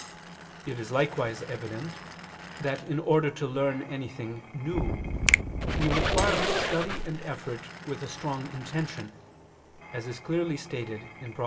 It is likewise evident that in order to learn anything new, we require study and effort with a strong intention, as is clearly stated in Prov.